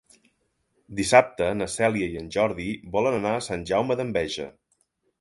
Dissabte na Cèlia i en Jordi volen anar a Sant Jaume d'Enveja.